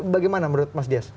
bagaimana menurut mas dias